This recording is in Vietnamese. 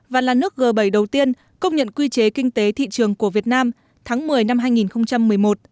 và là nước g bảy đầu tiên công nhận quy chế kinh tế thị trường của việt nam tháng một mươi năm hai nghìn một mươi một